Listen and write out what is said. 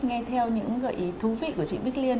nghe theo những gợi ý thú vị của chị bích liên